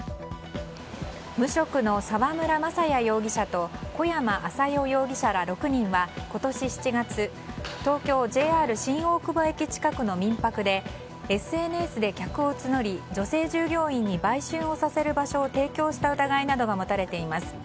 無職の沢村雅也容疑者と小山麻代容疑者ら６人は今年７月東京・ＪＲ新大久保駅近くの民泊でＳＮＳで客を募り女性従業員に売春をさせる場所を提供した疑いなどが持たれています。